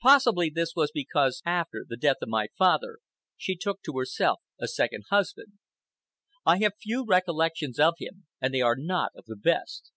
Possibly this was because, after the death of my father, she took to herself a second husband. I have few recollections of him, and they are not of the best.